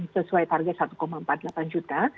sesuai target satu empat puluh delapan juta